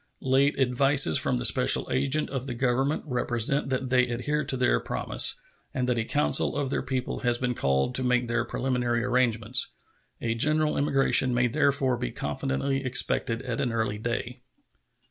Late advices from the special agent of the Government represent that they adhere to their promise, and that a council of their people has been called to make their preliminary arrangements. A general emigration may therefore be confidently expected at an early day.